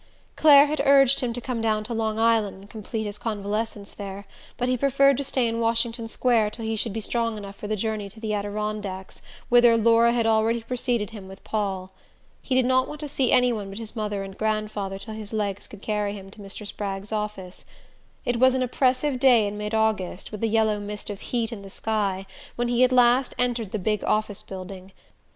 Clare had urged him to come down to Long Island and complete his convalescence there, but he preferred to stay in Washington Square till he should be strong enough for the journey to the Adirondacks, whither Laura had already preceded him with Paul. He did not want to see any one but his mother and grandfather till his legs could carry him to Mr. Spragg's office. It was an oppressive day in mid August, with a yellow mist of heat in the sky, when at last he entered the big office building.